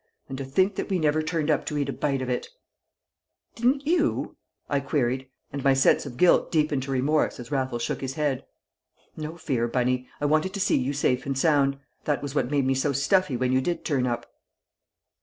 And to think that we never turned up to eat a bite of it!" "Didn't you?" I queried, and my sense of guilt deepened to remorse as Raffles shook his head. "No fear, Bunny! I wanted to see you safe and sound. That was what made me so stuffy when you did turn up."